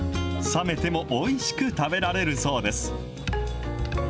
冷めてもおいしく食べられるそうです。